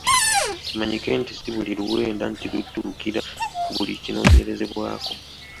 Kimanyike nti si buli luwenda nti lutuukira ku buli kinoonyerezebwako!